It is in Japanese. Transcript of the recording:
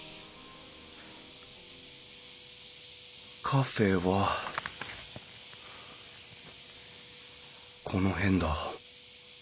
カフェはこの辺だ。